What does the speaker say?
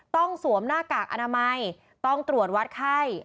สวมหน้ากากอนามัยต้องตรวจวัดไข้